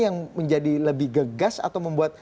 yang menjadi lebih gegas atau membuat